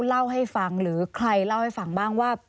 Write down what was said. เล่าให้ฟังหรือใครเล่าให้ฟังบ้างว่า